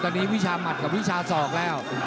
ตอนนี้วิชาหัดกับวิชาศอกแล้ว